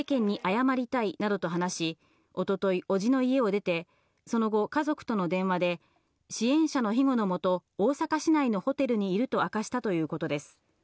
世間に謝りたいなどと話し、一昨日、伯父の家を出てその後、家族との電話で支援者の庇護のもと、大阪市内のホテルにいると明かしたということです。